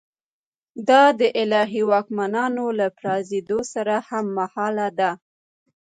دا د الهي واکمنانو له پرځېدو سره هممهاله ده.